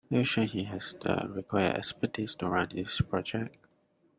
Are you sure he has the required expertise to run this project?